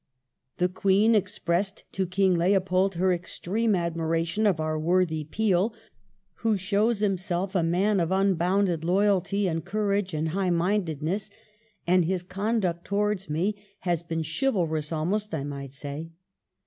The Queen expressed to King Leopold her " extreme admiration of our worthy Peel, who shows himself a man of unbounded loyalty and courage and high mindedness, and his conduct towards me has been chivalrous almost, I might say